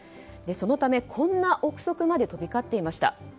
そのため、こんな憶測まで飛び交っていました。